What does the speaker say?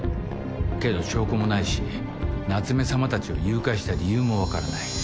けど証拠もないし夏目さまたちを誘拐した理由も分からない。